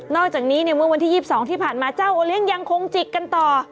อกจากนี้ในเมื่อวันที่๒๒ที่ผ่านมาเจ้าโอเลี้ยงยังคงจิกกันต่อ